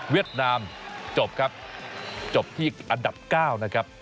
นามจบครับจบที่อันดับ๙นะครับ